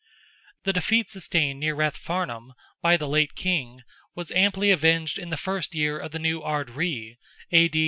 The defeat sustained near Rathfarnham, by the late king, was amply avenged in the first year of the new Ard Righ (A.D.